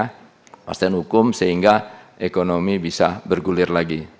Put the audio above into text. kepastian hukum sehingga ekonomi bisa bergulir lagi